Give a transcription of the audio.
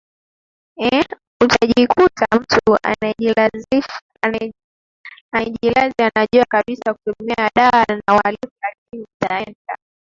eeh utajikuta mtu anajilazi anajua kabisa kutumia dawa ni uhalifu lakini ataenda